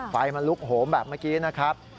ไฟมันลุกโหมแบบเมื่อกี้นะครับ